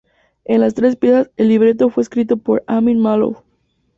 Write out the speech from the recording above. En las tres piezas, el libreto fue escrito por Amin Maalouf.